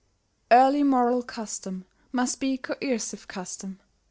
Early moral custom must be coercive custom.